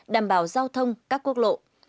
đảm bảo giao thông các quốc lộ